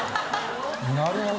なるほど。